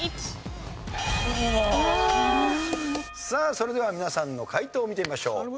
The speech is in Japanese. さあそれでは皆さんの解答を見てみましょう。